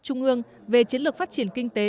trung ương về chiến lược phát triển kinh tế